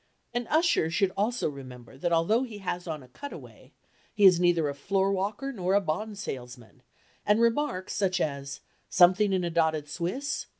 An usher should also remember that although he has on a cutaway, he is neither a floor walker nor a bond salesman, and remarks such as "Something in a dotted Swiss?"